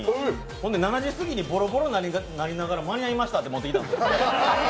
それで７時すぎにボロボロになりながら間に合いましたって持ってきたんです。